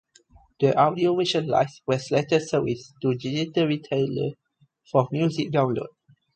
The audio version "Live" was later serviced to digital retailers for music download.